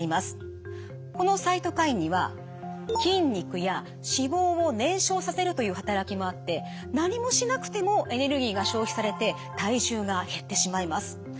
このサイトカインには筋肉や脂肪を燃焼させるという働きもあって何もしなくてもエネルギーが消費されて体重が減ってしまいます。